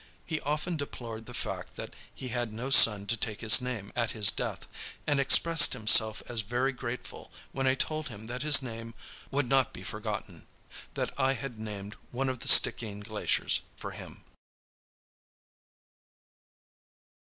He often deplored the fact that he had no son to take his name at his death, and expressed himself as very grateful when I told him that his name would not be forgotten,—that I had named one of the Stickeen glaciers for him.